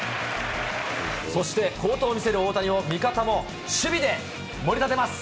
そして好投を見せる大谷を味方も守備でもり立てます。